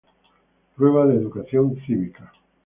Prueba de educación cívica.